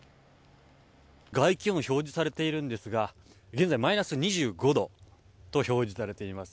外気温表示されているんですが現在、マイナス２５度と表示されています。